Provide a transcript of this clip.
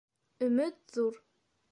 Өмөт ҙур.